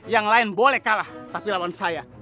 yang lain boleh kalah tapi lawan saya